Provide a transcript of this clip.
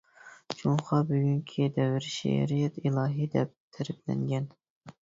«جۇڭخۇا بۈگۈنكى دەۋر شېئىرىيەت ئىلاھى» دەپ تەرىپلەنگەن.